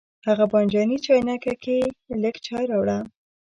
هغه بانجاني چاینکه کې لږ چای راوړه.